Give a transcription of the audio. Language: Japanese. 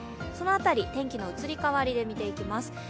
その辺り、天気の移り変わりで見ていきます。